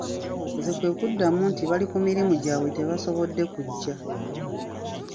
Nze kwe kubaddamu nti bali ku mirimu gyabwe tebasobodde kujja.